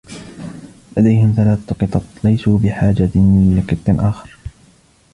لديهم ثلاثة قطط، ليسوا بحاجة لقط آخر.